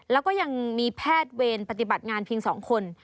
แล้วก็ยังมีแพทย์เวรปฏิบัติงานเพียง๒คน